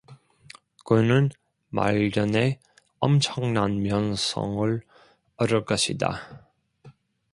그는 말년에 엄청난 명성을 얻을 것이다.